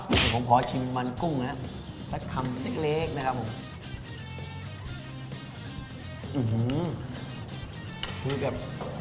เดี๋ยวผมขอชิมมันกุ้งนะครับสักคำเล็กเล็กนะครับผมคือแบบ